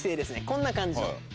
こんな感じ。